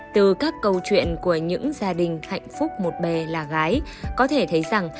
từ các câu chuyện của những gia đình hạnh phúc một bè là gái có thể thấy rằng